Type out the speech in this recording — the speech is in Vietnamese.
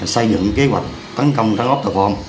xây dựng kế hoạch tấn công trắng ốc tại phòng